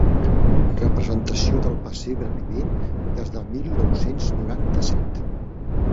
Representació del Pessebre vivent des del mil nou-cents noranta-set.